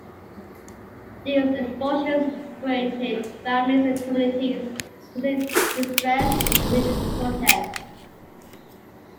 These expulsions separated families and communities, causing distress and leading to protest.